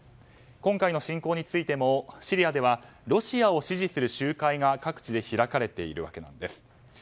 今回の侵攻についてもシリアではロシアを支持する集会が各地で開かれているわけなんです。